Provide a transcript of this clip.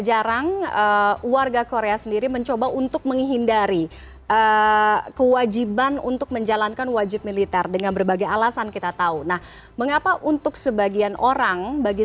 sehingga korea selatan menjadi satu satunya wilayah di seluruh dunia yang masih terlibat dalam perang dingin